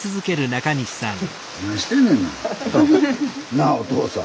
なあおとうさん。